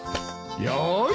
よし。